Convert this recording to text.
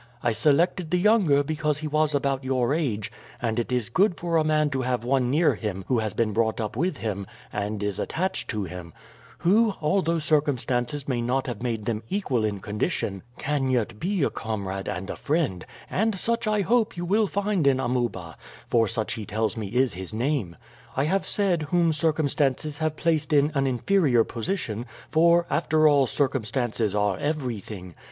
I selected the younger because he was about your age, and it is good for a man to have one near him who has been brought up with him, and is attached to him; who, although circumstances may not have made them equal in condition, can yet be a comrade and a friend, and such, I hope, you will find in Amuba, for such he tells me is his name. I have said whom circumstances have placed in an inferior position, for after all circumstances are everything.